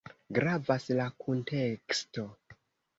Gravas la kunteksto.